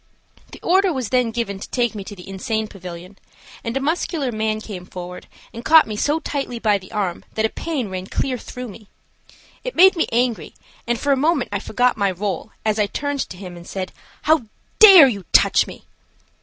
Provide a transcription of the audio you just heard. The order was then given to take me to the insane pavilion, and a muscular man came forward and caught me so tightly by the arm that a pain ran clear through me. It made me angry, and for a moment I forgot my role as I turned to him and said: "How dare you touch me?"